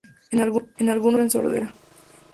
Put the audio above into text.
En algunos casos sufren sordera.